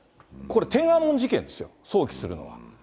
これ、天安門事件ですよ、想起するのは。